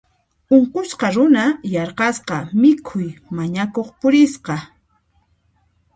Unqusqa runa yaraqasqa mikhuy mañakuq purisqa.